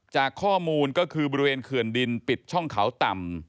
จากข้อมูลก็คือบริเวณเขื่อนดินปิดช่องเขาต่ำ